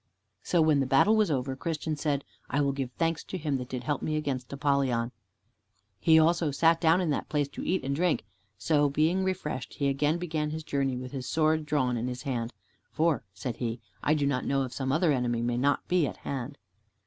So when the battle was over, Christian said, "I will give thanks to Him that did help me against Apollyon." He also sat down in that place to eat and drink, so being refreshed, he again began his journey, with his sword drawn in his hand, "For," said he, "I do not know if some other enemy may not be at hand."